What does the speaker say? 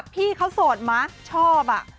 พี่เขาสดมะชอบอะ